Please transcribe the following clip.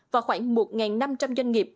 và khoảng một năm trăm linh doanh nghiệp